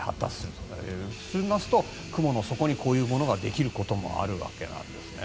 そうしますと雲の底にこういうものができることもあるわけなんですね。